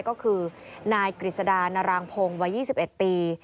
ก็คือนายกฤษดานารางพงศ์วัย๒๑ปี